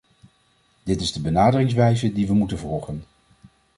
Dit is de benaderingswijze die we moeten volgen.